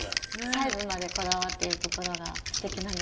細部までこだわってるところが素敵なんです。